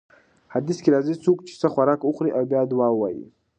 حديث کي راځي: څوک چې څه خوراک وخوري او بيا دا دعاء ووايي: